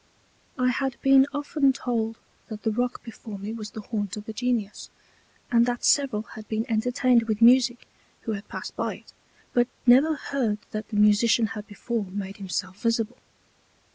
I had been often told that the Rock before me was the Haunt of a Genius; and that several had been entertained with Musick who had passed by it, but never heard that the Musician had before made himself visible.